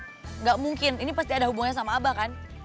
tidak mungkin ini pasti ada hubungannya sama abah kan